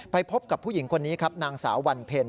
พบกับผู้หญิงคนนี้ครับนางสาววันเพ็ญ